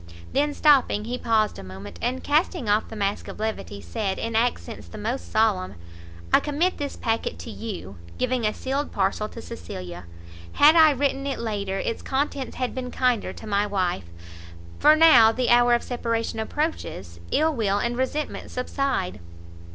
Then, stopping, he paused a moment, and casting off the mask of levity, said in accents the most solemn "I commit this packet to you," giving a sealed parcel to Cecilia; "had I written it later, its contents had been kinder to my wife, for now the hour of separation approaches, ill will and resentment subside.